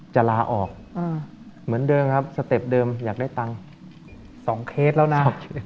ลาออกเหมือนเดิมครับสเต็ปเดิมอยากได้ตังค์๒เคสแล้วนะ